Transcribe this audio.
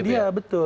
bukan iya betul